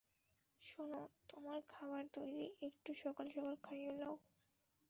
শোনো, তোমার খাবার তৈরি, একটু সকাল-সকাল খাইয়া লও।